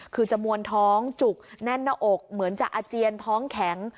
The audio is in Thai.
คือจะมวลท้องจุกแน่นหน้าอกเหมือนจะอาเจียนท้องแข็ง